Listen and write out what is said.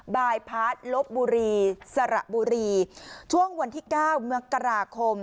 บายพาร์ทลบบุรีสระบุรีช่วงวันที่เก้ามกราคม